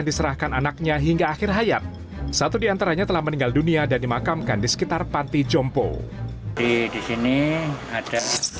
ibu terima sosok yang tertera dalam surat mengaku anaknya menyerahkan dirinya ke panti jompo menjadi viral